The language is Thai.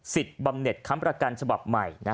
บำเน็ตค้ำประกันฉบับใหม่